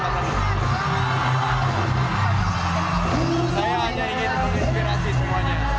saya hanya ingin menginspirasi semuanya